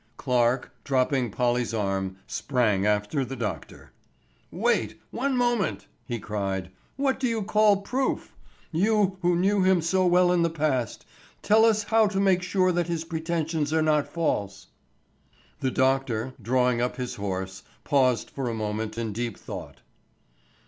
Clarke, dropping Polly's arm, sprang after the doctor. "Wait! one moment," he cried. "What do you call proof? You who knew him so well in the past, tell us how to make sure that his pretensions are not false." The doctor, drawing up his horse, paused for a moment in deep thought.